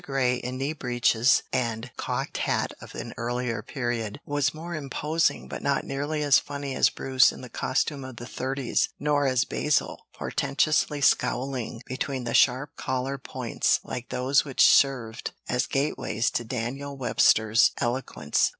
Grey, in knee breeches and cocked hat of an earlier period, was more imposing but not nearly as funny as Bruce in the costume of the '30s, nor as Basil, portentously scowling between the sharp collar points like those which served as gateways to Daniel Webster's eloquence.